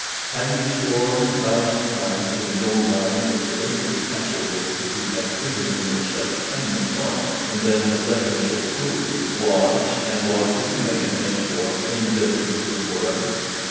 Hadn't he sworn a thousand times in his own mind that the Lady of Castlewood, who had treated him with such kindness once, and then had left him so cruelly, was, and was to remain henceforth, indifferent to him for ever?